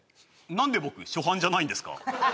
何で僕初犯じゃないんですか？